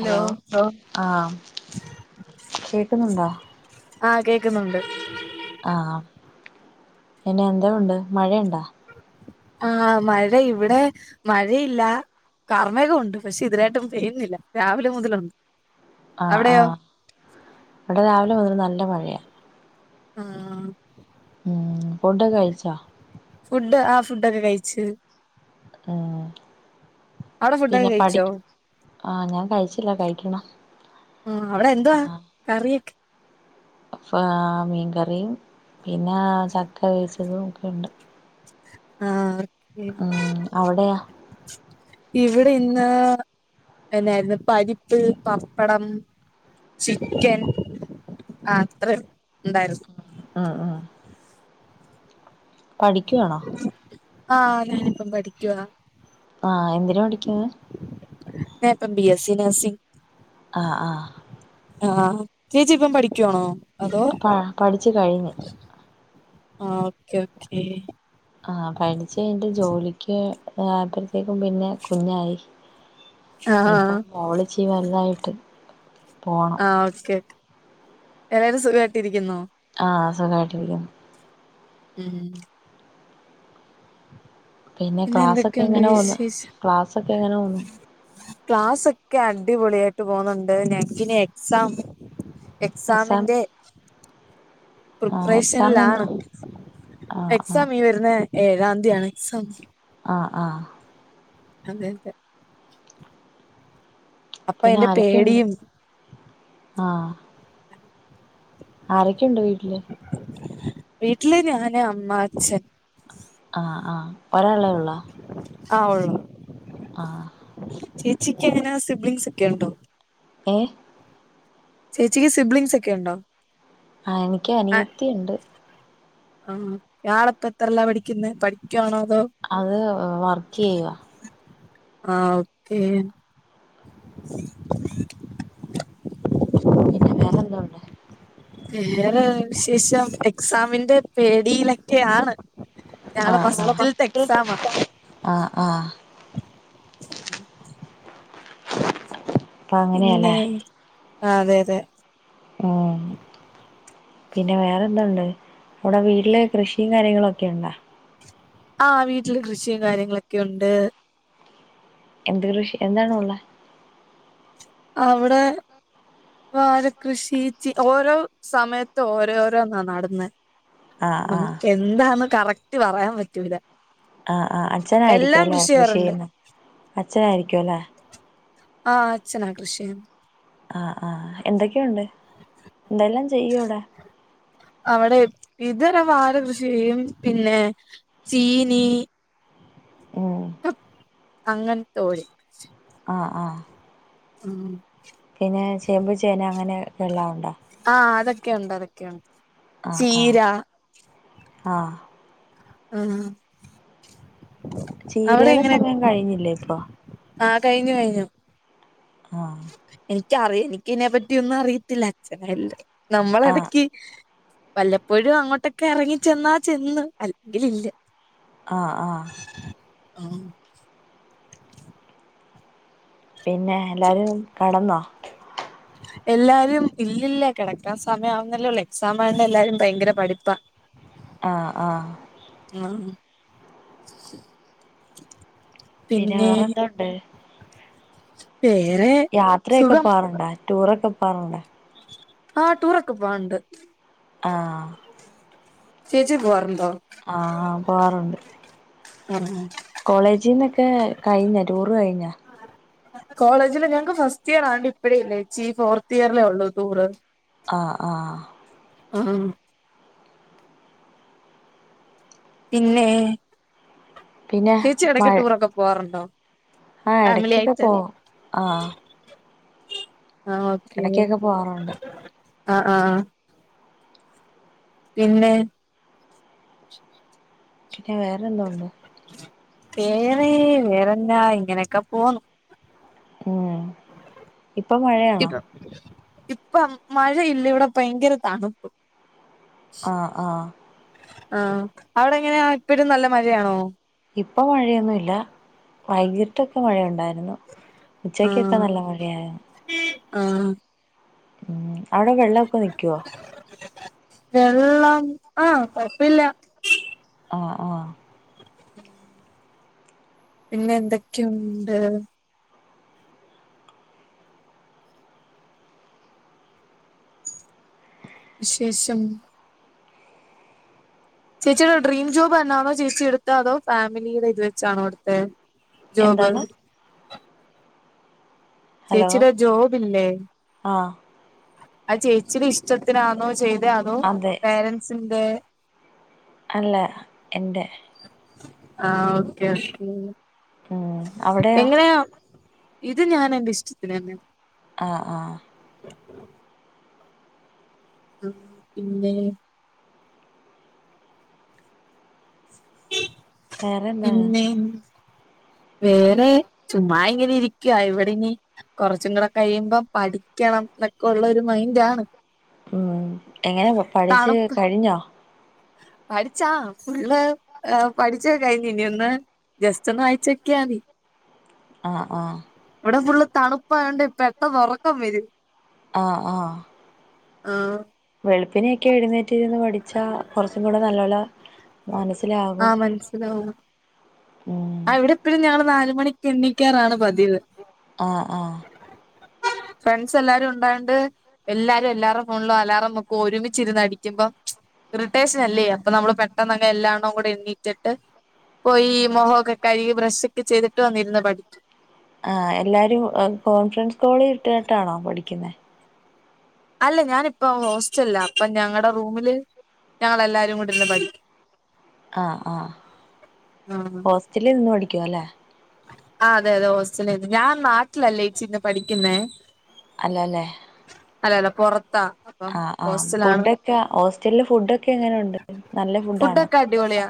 Hello ലോ ആഹ് കേക്കുന്നുണ്ടോ ആ കേക്കുന്നുണ്ട് ആഹ പിന്നെ എന്തോ ഉണ്ട് മഴയുണ്ടോ ആഹ മഴ ഇവിടെ മഴയില്ല കർമ്മേകം ഉണ്ട് പക്ഷെ ഇതിനായിട്ടും പെയുന്നില്ല രാവിലെ മുതലുണ്ട് ആ ആ അവിടെയോ ഇവിടെ രാവിലെ മുതൽ നല്ല മഴയാ ആഹ ഉം ഫുഡ്‌ കഴിച്ചാ ഫുഡ് ആ ഫുഡൊക്കെ കഴിച്ച് ആഹ അവിടെ ഫുഡൊക്കെ പിന്നെ പഠി കഴിച്ചോ ആഹ ഞാൻ കഴിച്ചില്ല കഴിക്കണം ആ അവിടെ എന്തുവാ ആഹ് കറിയൊക്കെ മീൻകറിയും പിന്നെ ചക്ക വേവിച്ചതും ഒക്കെ ഉണ്ട് ആഹ ഓക്കെ ഉം അവിടെയാ ഇവിടെ ഇന്ന് പിന്നായിരുന്നു പരിപ്പ് പപ്പടം ചിക്കൻ ആ അത്ര ഉണ്ടായിരുന്നു ആഹ ആഹ പഠിക്കുവാണോ ആ ഞാനിപ്പം പഠിക്കുവാ ആഹ എന്തിന് പഠിക്കുവാ ഇപ്പം ബി എസ് സി നെർസിംഗ് അഹ ആഹ ആഹ ചേച്ചിപ്പം പഠിക്കുവാണോ അതോ പ്പ പഠിച്ചു കഴിഞ്ഞു ആ ഓക്കേ ഓക്കേ ആഹ പഠിച്ച് കഴിഞ്ഞ് ജോലിക്ക് ഇതായ തേക്കും പിന്നെ കുഞ്ഞായി ആഹ് യിപ്പൊ ആഹ് മോളിച്ചി വലുതായിട്ട് പോണം ആ ഓക്കെ കേ എല്ലാവരും സുഖവായിട്ടിയിരിക്കുന്നോ ആഹ സുഖവായിട്ടിരിക്കുന്നു ഉം പിന്നെ ക്ലാസ്സ്‌ ഒക്കെ എന്തൊക്കെയുണ്ട് എങ്ങനെ പോന്ന് വിശേഷം ക്ലാസ്സ്‌ ഒക്കെ എങ്ങനെ പോന്ന് ക്ലാസ്സ് ഒക്കെ അടിപൊളിയായിട്ട് പോന്നുണ്ട് ഞങ്ങക്ക് ഇനി എക്സാം എക്സാം എക്സാമിന്റെ ആഹ് എക്സാം പ്രിപ്പറേഷനിലാണ് എന്നാ ആഹ് ആഹ് എക്സാം ഈ വരുന്ന ഏഴാം തീയതിയാണ് എക്സാം ആഹ ആ അതെ അതെ അപ്പൊ പിന്നെ അയിന്റെ ആരൊക്കെയുണ്ട് പേടിയും ആഹ ആരൊക്കെയുണ്ട് വീട്ടില് വീട്ടില് ഞാന് അമ്മ അച്ഛൻ ആ ആ ഒരാളേ ഉള്ള ആ ഒള്ളു ആ ചേച്ചിക്ക് എങ്ങനെ സിബ്ലിങ്സ് ഒക്കെ ഉണ്ടോ ഏ ചേച്ചക്ക് സിബ്ലിംഗങ്സ് ഒക്കെ ഉണ്ടോ ആ എനിക്ക് അനിയത്തി ഉണ്ട് ആഹ ഇയാളപ്പ എത്രല്ല പഠിക്കുന്നത് പഠിക്കുവാണോ അതോ അത് വർക്ക് ചെയ്യുവാ. ആഹ് ഓക്കെ പിന്നെ വേറെന്തോണ്ട്? വേറെ വിശേഷം എക്സാമിന്റെ പേടിയിലൊക്കെ ആണ് ഞങ്ങള ആഹ് ആഹ് ഫസ്റ്റിലത്തെ എക്സാമാ ആഹ് ആഹ് [unintelligible] [inaudible] പിന്നെ ആഹ് അതെ അതെ ആഹ് പിന്നെ വേറെ എന്തതുണ്ട് അവിടെ വീട്ടില് കൃഷിയും കാര്യങ്ങളൊക്കെ ഉണ്ടാ ആഹ് വീട്ടില് കൃഷിയും കാര്യങ്ങളൊക്കെണ്ട് എന്ത് കൃഷി എന്താണ് ഉള്ളെ? അവിടെ വാഴ കൃഷി ഓരോ സമയത്ത് ഓരോഓരോന്നാ നടുന്നെ ആഹ് ആഹ് നമുക്ക് എന്താണ് കറക്റ്റ് പറയാൻ പറ്റൂല്ല ആഹ് ആഹ് അച്ഛനായിരിക്കുവല്ലേ കൃഷി ചെയ്യാറുണ്ട് ചെയ്യുന്ന അച്ഛനായിരിക്കുവല്ലെ ആഹ് അച്ഛനാ കൃഷി ആഹ് ആഹ് എന്തൊക്കെയുണ്ട് എന്തെല്ലാം ചെയ്യൂ ഇവിടെ? അവിടെ ഇതരം വാഴകൃഷി ചെയും പിന്നെ ചീനി ഓഹ് അങ്ങനെത്തോടി ആഹ് ആഹ് ഉം പിന്നെ ചേമ്പ് ചേന അങ്ങനെ ഇത് എല്ലാം ഉണ്ടാ? ആഹ് അതൊക്കെയുണ്ട് അതൊക്കെയുണ്ട് ആഹ് ചീര ആഹ് ആഹ് ആഹ് ചീരയുടെ സമയം കഴിഞ്ഞില്ലേ ഇപ്പൊ ആഹ് കഴിഞ്ഞു കഴിഞ്ഞു ആഹ് എനിക്കറിയ എനിക്കതിനെ പറ്റി ഒന്നും അറിയത്തില്ല അച്ഛനല്ല നമ്മള് ആഹ് ഇടക്ക് വല്ലപ്പോഴും അങ്ങോട്ടൊക്കെ ഇറങ്ങി ചെന്നാ ചെന്ന് അല്ലെങ്കിൽ ഇല്ല ആഹ് ആഹ് ആഹ് പിന്നെ എല്ലാവരും കടന്നോ എല്ലാരും ഇല്ലില്ല കിടക്കാൻ സമയം ആവുന്നല്ലേള്ളൂ എക്സാം ആയോണ്ട് എല്ലാരും ഭയങ്കര പഠിപ്പാ ആഹ് ആഹ് ആഹ് പിന്നെ വേറെ എന്തോണ്ട്? വേറെ യാത്രയൊക്കെ സുഖം പോകറുണ്ടോ? ടൂറെക്കെ പോവാറുണ്ടോ? ആഹ് ടൂർ ഒക്കെ പോവാണ്ട്. ആഹ് ചേച്ചി പോകാറുണ്ടോ? ആഹ് പോവാറുണ്ട്. ആ കോളേജിനെ ക്കെ കഴിഞ്ഞോ ടൂറ് കഴിഞ്ഞോ? കോളേജില് ഞങ്ങക്ക് ഫസ്റ്റ് ഇയർ ആയോണ്ട് ഇപ്പഴേ ഇല്ലേച്ചി ഫോർത്ത് ഇയറിലേ ഉള്ളൂ ടൂറ്. ആഹ് ആഹ് ആഹ് പിന്നെ പിന്നെ ചേച്ചി ഇടയ്ക്ക് മഴ ടൂറൊക്കെ പോവാറുണ്ടോ? ആഹ് ഫാമിലി എടയ്ക്കൊക്കെ ആയിട്ട് പോകും ആഹ് ആഹ് ഓക്കെ എടക്കൊക്കെ പോവാറുണ്ട് ആഹ് ആഹ് പിന്നെ പിന്നെ വേറെ എന്തോ ഒണ്ട്? വേറെ വേറെന്നാ ഇങ്ങനെയൊക്കെ പോന്നു. പിന്നെ ഇപ്പം മഴയാണോ? ഇപ്പം മഴയില്ല ഇവിടെ ഭയങ്കര തണുപ്പ ആഹ് ആഹ് ആ അവിടെ എങ്ങനെയാ ഇപ്പോഴും നല്ല മഴയാണോ? ഇപ്പ മഴയൊന്നുമില്ല വൈകിട്ടൊക്കെ മഴയുണ്ടായിരുന്നു. ഉച്ചയ്ക്കൊക്കെ നല്ല മഴയായിരുന്നു. ആഹ് ഉം അവിടെ വെള്ളൊക്കെ നിക്കുവോ? വെള്ളം ആഹ് കൊയപ്പില്ല. ആഹ് ആഹ് പിന്നെ എന്തൊക്കെയുണ്ട് വിശേഷം ചേച്ചിടെ ഡ്രീം ജോബ് തന്നാണോ ചേച്ചി എടുത്താ അതോ ഫാമിലിയുടെ ഇത് വെച്ചാണോ എടുത്തെ? ജോബ് എന്താണ് ഹലോ ചേച്ചീടെ ജോബില്ലേ ആഹ് അത് ചേച്ചിയുടെ ഇഷ്ടത്തിനാണോ ചെയ്തേ അതോ അതെ പേരൻസിന്റെ അല്ല എൻ്റെ ആഹ് ഓക്കെ ഓക്കെ ഉം അവിടെയോ എങ്ങനെയാ ഇത് ഞാൻ എന്റെ ഇഷ്ടത്തിന് തന്നെ. ആഹ് ആഹ് പിന്നെ വേറെന്താണ് പിന്നെ വേറെ ചുമ്മാ ഇങ്ങനെ ഇരിക്കുവ ഇവിടെയിനി കുറച്ചും കൂടെ കഴിയുമ്പം പഠിക്കണം എന്നൊക്കെ ഉള്ള ഒരു മൈൻഡാണ്. ഉം എങ്ങനെ പഠിച്ച് തണുപ്പ് കഴിഞ്ഞോ? പഠിച്ചാ ഫുള്ള് പഠിച്ച്കഴിഞ്ഞ് ഇനി ഒന്ന് ജസ്റ്റ് ഒന്ന് വായിച്ചു നോക്കിയാ മതി. ആഹ് ആഹ് ഇവിടെ ഫുള്ള് തണുപ്പായൊണ്ട് പെട്ടന്ന് ഉറക്കം വരും. ആഹ് ആഹ് ആഹ് വെളുപ്പിനെ ഒക്കെ എഴുന്നേറ്റിരുന്നു പഠിച്ചാ കുറച്ചും കൂടെ നല്ലോല ആഹ് മനസ്സിലാവും ഉം ആ ഇവിടെപ്പഴും ഞങ്ങള് നാലുമണിക്ക് എണ്ണിക്കാറാണ് പതിവ് ആഹ് ആഹ് ഫ്രണ്ട്സ് എല്ലാരും ഉണ്ടായോണ്ട്- എല്ലാരും എല്ലാരുടെ ഫോണിലും അലാറം വെക്കും ഒരുമിച്ചിരുന്ന് അടിക്കുമ്പോ- ഇറിട്ടേഷനല്ലേ അപ്പൊ നമ്മള് പെട്ടെന്ന് അങ്ങ് എല്ലാണ്ണം കൂടി എണ്ണീറ്റിട്ട് പോയി മൊഖ ക്കെ കഴുകി ബ്രഷ് ഒക്കെ ചെയ്തിട്ട് വന്നിരുന്ന് പഠിക്കും ആഹ് എല്ലാരും കോൺഫറൻസ് കോളി ഇട്ടിട്ടാണോ പഠിക്കുന്നെ അല്ല ഞാനിപ്പോ ഹോസ്റ്റലിലാ അപ്പൊ ഞങ്ങടെ റൂമില് ഞങ്ങളെല്ലാരും കൂടിരുന്ന് പഠി ആഹ് ആഹ് ആഹ് ഹോസ്റ്റലിൽ നിന്ന് പഠിക്കുവാല്ലേ ആഹ് അതെ അതെ ഹോസ്റ്റലിന്ന് ഞാൻ നാട്ടിലല്ലേ ചെച്ചി നിന്ന് പഠിക്കുന്നേ അല്ല അല്ലേ അല്ല അല്ല പൊറത്താ അപ്പം ആഹ് ആഹ് ഹോസ്റ്റലാണ് ഫുഡൊക്കെ ഹോസ്റ്റലില് ഫുഡൊക്കെ എങ്ങനുണ്ട് നല്ല ഫുഡാണോ ഫുഡൊക്കെ അടിപൊളിയാ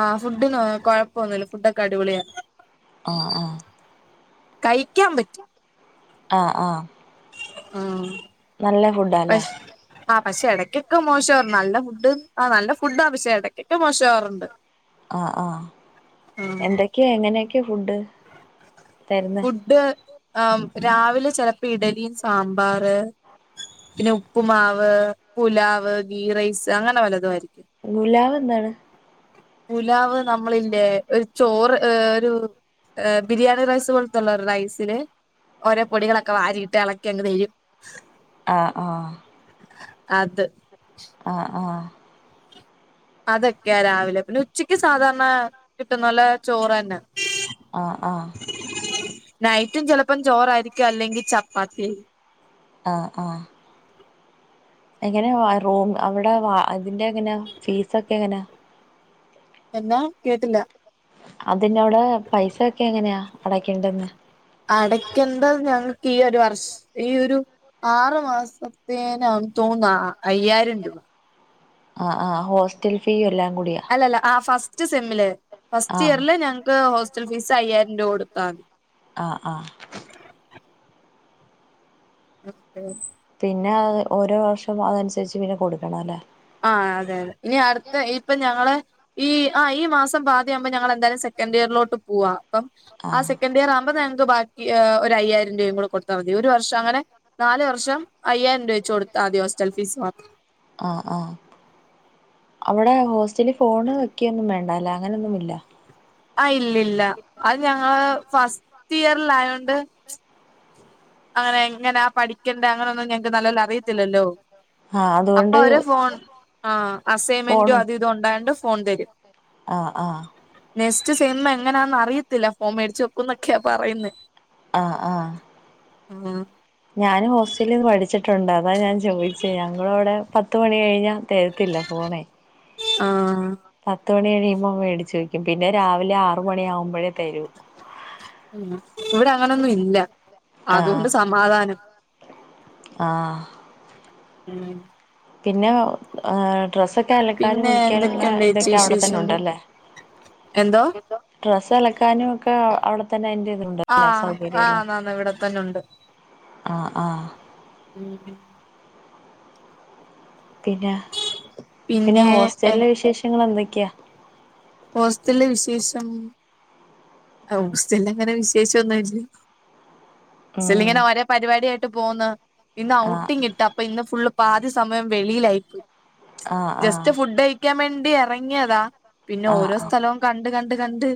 ആ ഫുഡ് കൊഴപ്പൊന്നുല്ല ഫുഡൊക്കെ അടിപൊളിയാ ആഹ് ആഹ് കയിക്കാൻ പറ്റും ആഹ് ആഹ് ആഹ് നല്ല ഫുഡാല്ലേ ആ പക്ഷെ ഇടയ്ക്കൊക്കെ മോശവാറുണ്ട് നല്ല ഫുഡ് ആ നല്ല ഫുഡാ ആ പക്ഷെ ഇടക്കൊക്കെ മോശമാവാറുണ്ട് ആഹ് ആഹ് ഉം എന്തൊക്കെയാ എങ്ങനെയൊക്കെയാ ഫുഡ് തരുന്നേ ഫുഡ് ആ രാവിലെ ചെലപ്പോ ഇഡലിയും സാമ്പാറ്- പിന്നെ ഉപ്പുമാവ് പുലാവ് ഗീറൈസ് അങ്ങനെ വല്ലതുവായിരിക്കും പുലാവ് എന്താണ്? പുലാവ് നമ്മളില്ലേ ഒരു ചോറ് ഒരു- ബിരിയാണി റൈസ് പോലത്തെ- ഉള്ള റൈസില് ഓരോ പൊടികളൊക്കെ വാരിട്ട് എളക്കി അങ്ങ് തരും ആഹ് ആഹ് അത് ആഹ് ആഹ് അതൊക്കെയാ രാവിലെ പിന്നെ ഉച്ചക്ക് സാധാരണ കിട്ടുന്നോലെ ചോറെന്നെ ആഹ് ആഹ് നൈറ്റും ചെലപ്പം ചോറായിരിക്കും അല്ലെങ്കിൽ ചപ്പാത്തി- ആഹ് ആഹ് എങ്ങനെയ റൂം അവിടെ വാ അതിന്റെ എങ്ങനാ ഫീസൊക്കെ എങ്ങനാ എന്നാ കേട്ടില്ല അതിനവിടെ പൈസയൊക്കെ എങ്ങനെയാ അടക്കേണ്ടിന്നെ അടയ്ക്കേണ്ടത് ഞങ്ങൾക്ക് ഈ ഒരു വർഷം ഈ ഒരു- ആറു മാസത്തേന് ആണെന്ന് തോനുന്ന് അയ്യായിരം രൂപ ആഹ് ആഹ് ഹോസ്റ്റൽ ഫീ എല്ലാം കൂടി അല്ല അല്ല ആ ഫസ്റ്റ് സെമ്മില് ആ ഫസ്റ്റ് ഇയറില് ഞങ്ങക്ക് ഹോസ്റ്റൽ ഫീസ് അയ്യായിരം രൂപ കൊടുത്താ മതി ആഹ് ആഹ് ഓക്കെ പിന്നെ അത് ഓരോ വർഷം അതനുസരിച്ച് പിന്നെ കൊടുക്കണം അല്ലേ ആഹ് അതെയതെ ഇനി അടുത്ത ഇപ്പ ഞങ്ങളെ- ഈ ആ ഈ മാസം പാതി ആവുമ്പോ ഞങ്ങെളെന്തായാലും സെക്കന്റിയറിലോട്ട് പോവാ പ്പം ആ സെക്കൻഡിയറാകുമ്പോ ഞങ്ങക്ക് ബാക്കി ഏഹ് ഒരയ്യായിരം രൂപയും കൂടെ കൊട്ത്താ മതി ഒരു വർഷ ങ്ങനെ നാല് വർഷം അയ്യായിരം രൂപ വെച്ച് കൊട്ത്താതി ഹോസ്റ്റൽ ഫീസ് മാത്രം. അഹ് അഹ് അവടെ ഹോസ്റ്റലി ഫോണ് വെക്ക്യൊന്നും വേണ്ടലെ അങ്ങനെന്നുമില്ല. ആഹ് ഇല്ലല്ല അത് ഞങ്ങള് ഫസ്റ്റിയറിലായോണ്ട് അങ്ങന എങ്ങനാ പഠിക്കേണ്ട അങ്ങനൊന്നും ഞങ്ങക്ക് നല്ലോല്ലറിയത്തില്ലല്ലോ ആ അപ്പൊ അതുകൊണ്ട് അവര് ഫോൺ ആഹ് അസൈമെന്റോ അത് ഇതും ഒണ്ടായോണ്ട് ഫോൺതരും. ആഹ് ആഹ് നെസ്റ്റ് സെമ്മ് എങ്ങനാന്നറിയത്തില്ല ഫോണ് മേടിച്ച് വെക്കുന്നൊക്ക്യാ പറയുന്നേ. ആഹ് ആഹ് ഉം ഞാനും ഹോസ്റ്റലിൽന്ന് പഠിച്ചിട്ടുണ്ട് അതാ ഞാൻ ചോയ്ച്ചേ ഞങ്ങളവടെ പത്ത് മണി കഴ്ഞ്ഞാ തരത്തില്ല ഫോണേ. ആഹ് പത്ത് മണി കഴിയുമ്പോമേടിച്ചു വെക്കും പിന്നെ രാവിലെ ആറ് മണിയാവുമ്പഴേ തരൂ. ഉം ഇവടെ അങ്ങനൊന്നു ഇല്ല അതൊണ്ട് ആഹ് സമാധാനം. ആഹ് ഉം പിന്നെ ഏഹ് ഡ്രെസ്സൊക്കെ അലക്കാനും പിന്നെ കുളിക്കാനുള്ള എന്തൊക്കെയുണ്ട് ചേച്ചി തൊക്കെ അവടെ വിശേഷം തന്നുണ്ടല്ലേ എന്തോ [unintelligible] ഡ്രസ്സലക്കാനൊക്കെ അവട തന്നെ അയ്ൻ്റെതുണ്ടല്ല ആഹ് ആഹ് സൗകര്യല്ലാം ആന്നാന്ന് ഇവിടെ തന്നെ ഉണ്ട് ആഹ് ആഹ്‌ ഉം പിന്ന പിന്നെ ഹോസ്റ്റലിലെ വിശേഷങ്ങളെന്തൊക്ക്യ? ഹോസ്റ്റല് ല്ലെ വിശേഷം ആഹ് ഹോസ്റ്റലിലങ്ങനെ വിശേഷൊന്നുല്ല ഉം സ്റ്റല്ലിങ്ങനെ ഒരേ പരിവാട്യായിട്ട് പോവ്ന്ന് ഇന്ന് ആഹ് ഔട്ടിങ് കി ട്ടാ അപ്പൊ ഇന്ന് ഫുള്ള് പാദിസമയം വെളിയിലായിരിക്കും ആഹ് ജസ്റ്റ് ആഹ് ഫുഡയ് ക്ക്യാൻ വേണ്ടി എറങ്ങ്യതാ പിന്നെ ആഹ് ഓരോ ആഹ് സ്ഥലവും കണ്ട് കണ്ട് കണ്ട്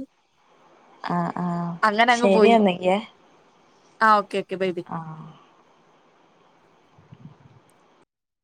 ആഹ് ആഹ് അങ്ങനങ്ങ് ശരി പോയി എന്നൊക്കെ ആഹ് ഓക്കെ ഓക്കെ ബൈ ബൈ ആഹ്